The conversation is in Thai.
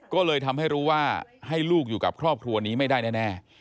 ก็เลยทำให้รู้ว่าให้ลูกอยู่กับครอบครัวนี้ไม่ได้แน่